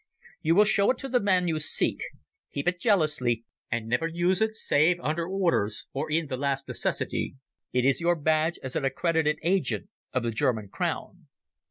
You will show it to the man you seek. Keep it jealously, and never use it save under orders or in the last necessity. It is your badge as an accredited agent of the German Crown."